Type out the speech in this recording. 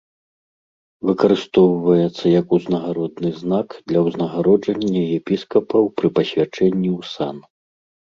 Выкарыстоўваецца як узнагародны знак для ўзнагароджання епіскапаў пры пасвячэнні ў сан.